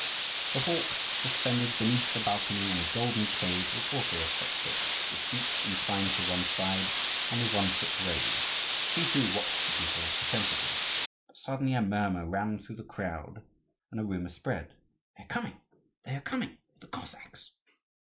The hawk, suspended beneath the balcony in a golden cage, was also a spectator; with beak inclined to one side, and with one foot raised, he, too, watched the people attentively. But suddenly a murmur ran through the crowd, and a rumour spread, "They are coming! they are coming! the Cossacks!"